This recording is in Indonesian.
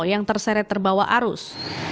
yang terseret terbawa arus